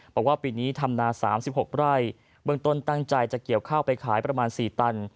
บอกว่าปีนี้ทำนา๓๖ไร่เบื้องต้นตั้งใจจะเกี่ยวข้าวไปขายประมาณ๔ตัน